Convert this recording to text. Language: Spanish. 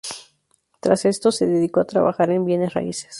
Tras esto se dedicó a trabajar en bienes raíces.